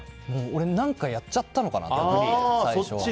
俺、何かやっちゃったかなって最初は。